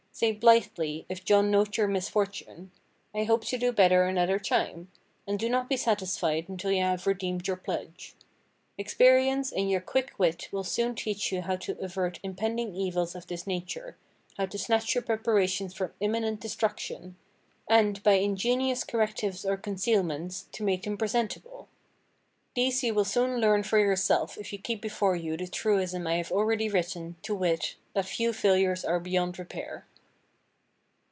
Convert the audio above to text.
Say blithely, if John note your misfortune—"I hope to do better another time," and do not be satisfied until you have redeemed your pledge. Experience and your quick wit will soon teach you how to avert impending evils of this nature, how to snatch your preparations from imminent destruction, and, by ingenious correctives or concealments, to make them presentable. These you will soon learn for yourself if you keep before you the truism I have already written, to wit, that few failures are beyond repair.